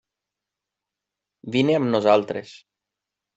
Vine amb nosaltres.